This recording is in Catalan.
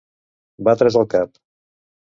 Batre's el cap.